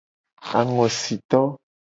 Angosito.